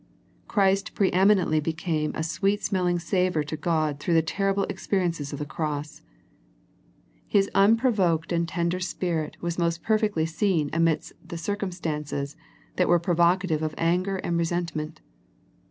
Christ pre eminently be came a sweet smelling savour to God through the terrible experiences of the Cross. His un The Smyrna Letter 65 provoked and tender spirit was jnost perfectly seen amid the circumstances that were provo cative of anger and resentment.